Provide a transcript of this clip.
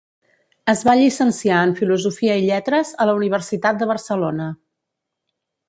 Es va llicenciar en Filosofia i Lletres a la Universitat de Barcelona.